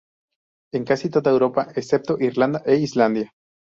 En casi toda Europa, excepto Irlanda e Islandia.